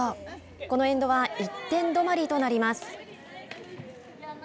このエンドは１点止まりとなります。